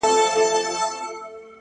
o خپـله گرانـه مړه مي په وجود كي ده،